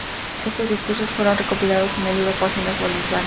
Estos discursos fueron recopilados en el libro "Páginas Bolivarianas".